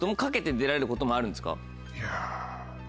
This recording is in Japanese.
いや。